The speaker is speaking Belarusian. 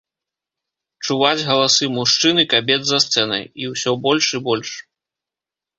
Чуваць галасы мужчын і кабет за сцэнай, і ўсё больш і больш.